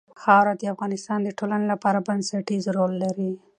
خاوره د افغانستان د ټولنې لپاره بنسټيز رول لري.